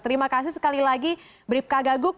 terima kasih sekali lagi bribka gaguk